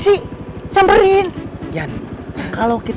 jangan pake dulu doh